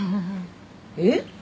えっ？